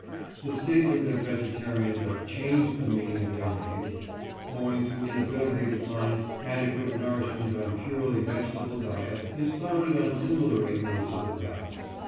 The statement that vegetarians have changed the meaning of their name, owing to inability to find adequate nourishment on purely vegetable diet, is founded on similar ignorance of the facts.